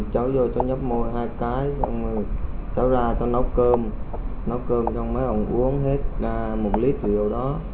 cháu vô cháu nhấp môi hai cái xong rồi cháu ra cháu nấu cơm nấu cơm xong mấy ông uống hết một lít rượu đó